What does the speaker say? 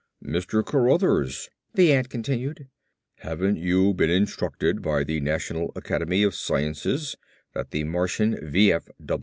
"Mr. Cruthers," the ant continued, "haven't you been instructed by the National Academy of Sciences that the Martian V.